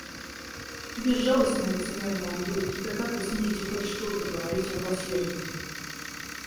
Безжалостные лицемерные ублюдки, да как вы смеете хоть что-то говорить о милосердии!